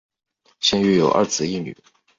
现育有二子一女。